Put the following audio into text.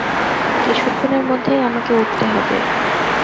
কিছুক্ষণের মধ্যেই আমাকে উঠতে হবে।